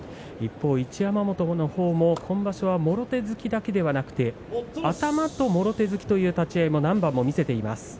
一山本も今場所はもろ手突きだけではなく頭ともろ手突きという立ち合いも何番も見せています。